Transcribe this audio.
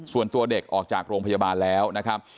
ส่วนตัวเด็กออกจากโรงพยาบาลแล้วนะครับ